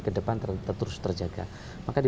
kedepan terus terjaga maka di